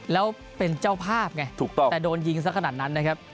แล้วเป็นเจ้าภาพไงถูกต้องแต่โดนยิงสักขนาดนั้นนะครับ